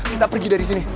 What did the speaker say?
kita pergi dari sini